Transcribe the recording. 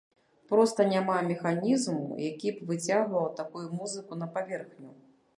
Проста няма механізму, які б выцягваў такую музыку на паверхню.